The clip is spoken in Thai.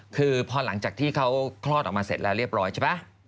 คือว่าพอหลังจากที่เขาคลอดออกมาเสร็อแล้วแล้วเปรียบร้อย